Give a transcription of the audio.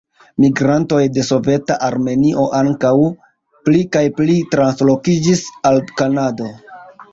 Migrantoj de soveta Armenio ankaŭ pli kaj pli translokiĝis al Kanado.